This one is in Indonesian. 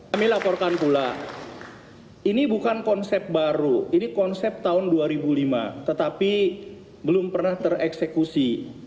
kami laporkan pula ini bukan konsep baru ini konsep tahun dua ribu lima tetapi belum pernah tereksekusi